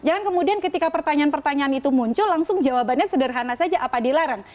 jangan kemudian ketika pertanyaan pertanyaan itu muncul langsung jawabannya sederhana saja apa dilarang